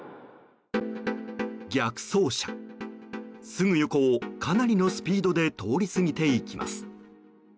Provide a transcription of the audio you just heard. すぐ横をかなりのスピードで通り過ぎていきます。